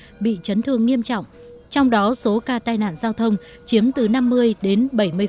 hơn một trăm linh bệnh nhân bị chấn thương nghiêm trọng trong đó số ca tai nạn giao thông chiếm từ năm mươi đến bảy mươi